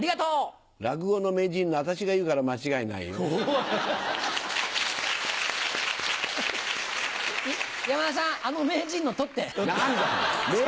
落語の名人の私が言うから間山田さん、なんだよ。